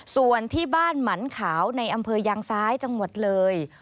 ส่วนที่บ้านหมันขาวในอำเภอยางซ้ายจังหวัดเลย